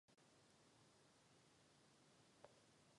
A důkaz je pro všechny skutečně očividný.